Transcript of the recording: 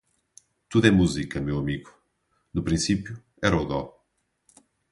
Tudo é musica, meu amigo. No principio era o dó